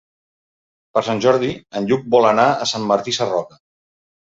Per Sant Jordi en Lluc vol anar a Sant Martí Sarroca.